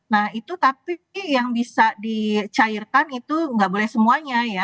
nah itu tapi yang bisa dicairkan itu nggak boleh semuanya ya